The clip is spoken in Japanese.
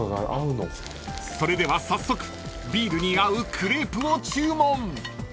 ［それでは早速ビールに合うクレープを注文］